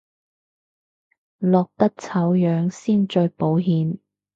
落得醜樣先最保險